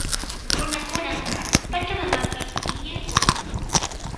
Runakunan Pachamamapi iñinku.